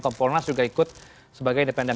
kompolnas juga ikut sebagai independen